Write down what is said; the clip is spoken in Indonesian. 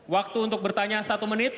waktu untuk bertanya satu menit